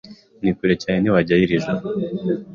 Ni kure cyane ntitwahajya iri joro.